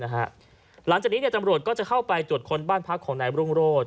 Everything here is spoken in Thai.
หลังจากนี้ตำรวจก็จะเข้าไปตรวจค้นบ้านพักของนายรุ่งโรธ